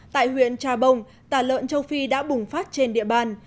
tại huyện trà bông tả lợn châu phi đã bùng phát trên địa bàn